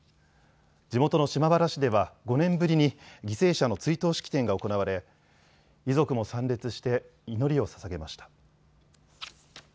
地元の島原市では５年ぶりに犠牲者の追悼式典が行われ遺族も参列して祈りをささげました。